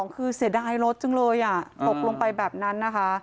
๒คือเสียดายรถจริงอ่ะหลบลงไปแบบนั้นนะฮะ